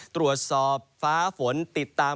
ตรวจสอบฟ้าฝนติดตาม